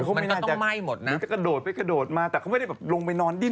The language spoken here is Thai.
เขาไม่น่าจะกระโดดไปกระโดดมาแต่เขาไม่ได้ลงไปนอนดิน